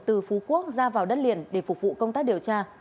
từ phú quốc ra vào đất liền để phục vụ công tác điều tra